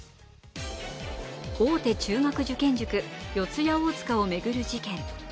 大手中学受験塾、四谷大塚を巡る事件。